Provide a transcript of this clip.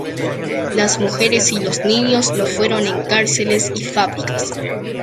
Las mujeres y los niños lo fueron en cárceles y fábricas.